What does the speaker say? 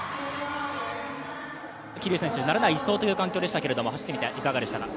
桐生選手、慣れない１走という形でしたけど走ってみていかがでしたか？